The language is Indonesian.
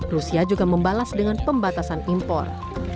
rusia juga membalas dengan pembatasan impor